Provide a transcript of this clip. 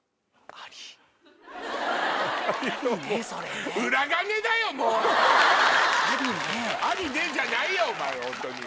「ありね」じゃないよお前ホント。